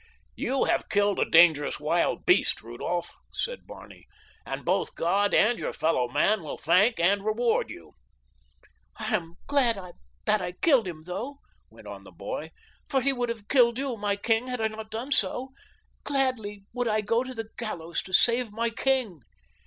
"You have killed a dangerous wild beast, Rudolph," said Barney, "and both God and your fellow man will thank and reward you." "I am glad that I killed him, though," went on the boy, "for he would have killed you, my king, had I not done so. Gladly would I go to the gallows to save my king."